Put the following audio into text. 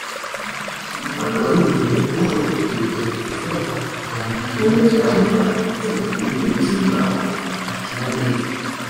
akaba yavuze ko ari urundi rugero rwiza bagomba kujyana mu gihugu cyabo kandi yizeyeko ubuyobozi bwabo buzabyakira neza